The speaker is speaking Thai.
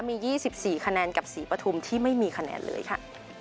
มี๒๔คะแนนกับศรีปฐุมที่ไม่มีคะแนนเลยค่ะ